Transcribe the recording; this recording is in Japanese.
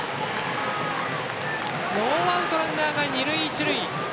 ノーアウトランナーが二塁一塁。